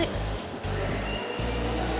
masak apa ya itu